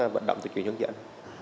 vận động tuyên truyền hướng dẫn